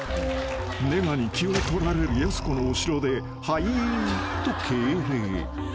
［ネガに気を取られるやす子の後ろで「はいー」と敬礼］